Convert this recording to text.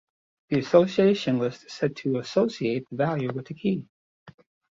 The association list is said to "associate" the value with the key.